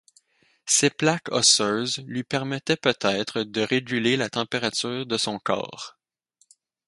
Ces plaques osseuses lui permettaient peut-être de réguler la température de son corps.